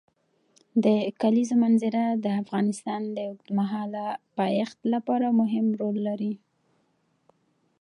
د کلیزو منظره د افغانستان د اوږدمهاله پایښت لپاره مهم رول لري.